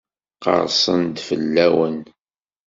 Qersen-d fell-awen?